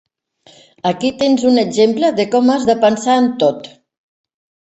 Aquí tens un exemple de com has de pensar en tot.